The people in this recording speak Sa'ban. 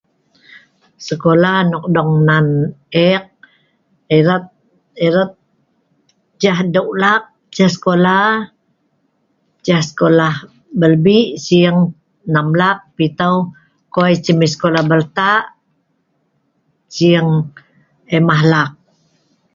Skola nok dong nan eek, erat erat ceh deu' laak ceh skola, ceh skola belbi' nam laak pitau koi ceh mai skola belta' sing imah laak.